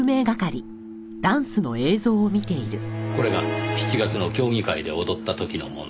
これが７月の競技会で踊った時のもの。